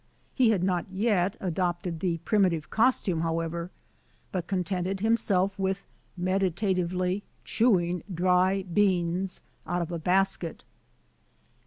He had not yet adopted the primitive costume, however; but contented himself with meditatively chewing dry beans out of a basket.